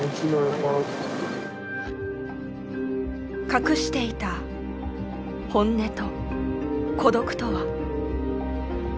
隠していた本音と孤独とは。